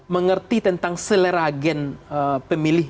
mengerti tentang selera agen pemilih